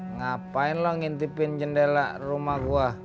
ngapain lo ngintipin jendela rumah gue